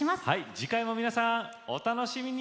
次回も皆さんお楽しみに。